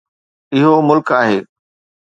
اهو ملڪ آهي.